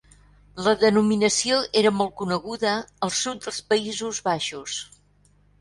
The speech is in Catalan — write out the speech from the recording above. La denominació era molt coneguda al sud dels Països Baixos.